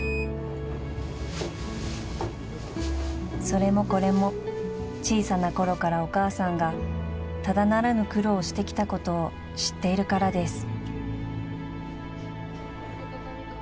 ［それもこれも小さな頃からお母さんがただならぬ苦労をしてきたことを知っているからです］